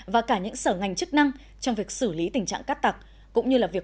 và cả những sở ngành chức năng trong việc xử lý tình trạng cắt tặc